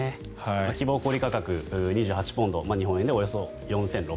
希望小売価格２８ポンド日本円でおよそ４６００円。